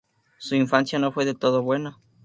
Su infancia no fue del todo buena.